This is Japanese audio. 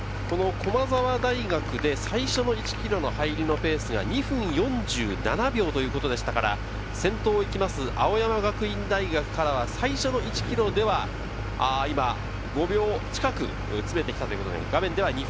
この駒澤大学で最初の１ｋｍの入りのペースが２分４７秒ということでしたから、先頭を行きます青山学院大学からは最初の１ｋｍでは今、５秒近く詰めてきたということになります。